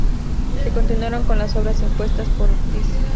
Se continuaron con las obras impuestas por Ortiz.